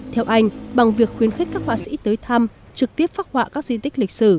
theo anh bằng việc khuyến khích các họa sĩ tới thăm trực tiếp phát họa các di tích lịch sử